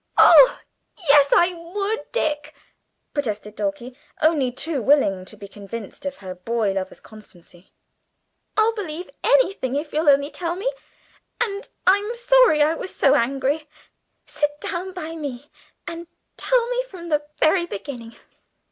"Oh, yes, I would, Dick!" protested Dulcie, only too willing to be convinced of her boy lover's constancy; "I'll believe anything, if you'll only tell me. And I'm sorry I was so angry. Sit down by me and tell me from the very beginning.